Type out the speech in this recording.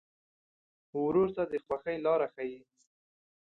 ورور ته د خوښۍ لاره ښيي.